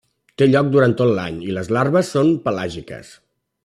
Té lloc durant tot l'any i les larves són pelàgiques.